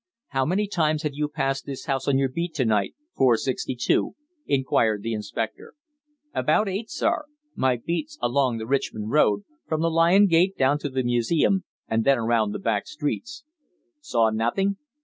"How many times have you passed this house on your beat to night, four sixty two?" inquired the inspector. "About eight, sir. My beat's along the Richmond Road, from the Lion Gate down to the museum, and then around the back streets." "Saw nothing?"